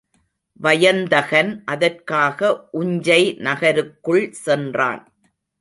வயந்தகன் அதற்காக உஞ்சை நகருக்குள் சென்றான்.